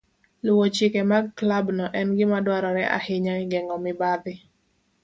Luwo chike mag klabno en gima dwarore ahinya e geng'o mibadhi.